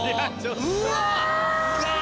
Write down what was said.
うわ！